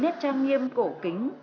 nhất trang nghiêm cổ kính